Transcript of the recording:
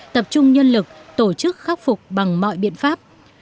tập trung nhân lực tổ chức khắc phục bằng mọi biện pháp